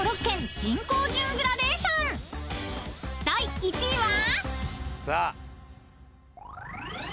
［第１位は？］